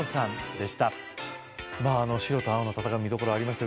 白と青の戦い見どころありました